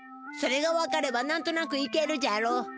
それが分かれば何となくいけるじゃろ。